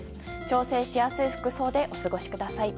調整しやすい服装でお過ごしください。